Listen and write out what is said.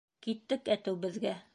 — Киттек әтеү беҙгә.